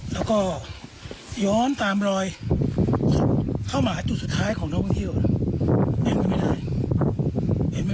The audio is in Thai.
แล้วก็ย้อนตามรอยเข้ามาจุดสุดท้ายของนักวิทยาลัย